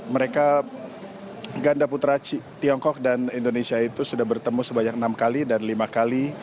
mereka ganda putra tiongkok dan indonesia itu sudah bertemu sebanyak enam kali dan lima kali